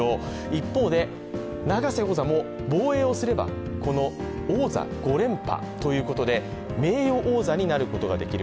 一方で、永瀬王座も防衛をすればこの王座５連覇ということで、名誉王座になることができる